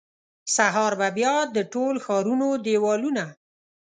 سهار به بیا د ټول ښارونو دیوالونه،